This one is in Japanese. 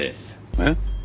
えっ？